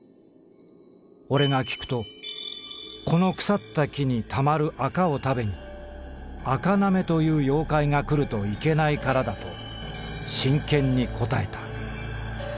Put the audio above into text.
オレが聞くとこの腐った木にたまるあかを食べに『あかなめ』という妖怪が来るといけないからだと真剣に答えた。